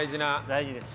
大事です。